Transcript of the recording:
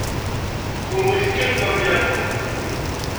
Kenwi tekkatem apyanu.